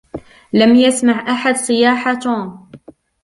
لم يسمع أحد صياح توم.